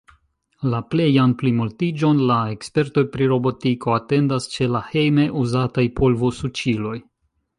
La plejan plimultiĝon la ekspertoj pri robotiko atendas ĉe la hejme uzataj polvosuĉiloj.